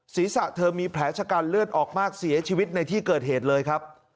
ศีรษะเธอมีแผลชะกันเลือดออกมากเสียชีวิตในที่เกิดเหตุเลยครับ